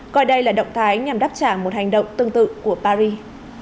coi đây là động thái nhằm đáp trả một hành động tương tự của paris